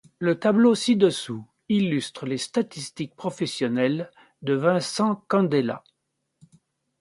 Le tableau ci-dessous illustre les statistiques professionnelles de Vincent Candela.